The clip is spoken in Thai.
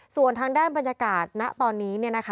ส่วนทางด้านบรรยากาศณตอนนี้